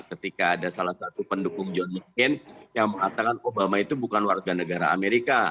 ketika ada salah satu pendukung john mccain yang mengatakan obama itu bukan warga negara amerika